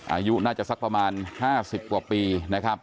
อายุน่าจะสักประมาณ๕๐กว่าปีนะครับ